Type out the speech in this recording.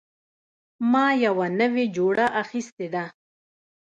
ما یوه نوې جوړه اخیستې ده